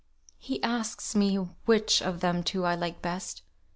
"He asks me which of them two I liked the best.